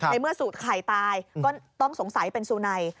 ในเมื่อสุข่ายตายก็ต้องสงสัยเป็นสุนัย